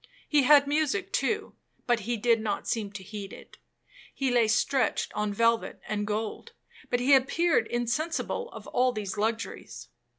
He had music too, but he did not seem to heed it. He lay stretched on velvet and gold, but he appeared insensible of all these luxuries.